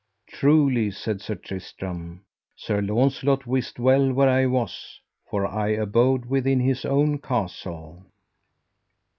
Truly, said Sir Tristram, Sir Launcelot wist well where I was, for I abode within his own castle.